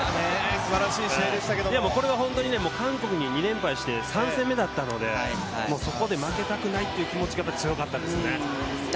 でもこれは本当に韓国に２連敗して３戦目だったので、そこで負けたくないという気持ちが強かったですね。